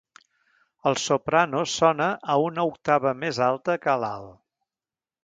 El soprano sona a una octava més alta que a l'alt.